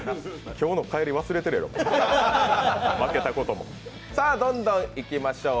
今日の帰り忘れてるやろ、負けたことも。